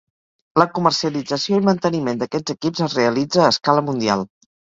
La comercialització i manteniment d'aquests equips es realitza a escala mundial.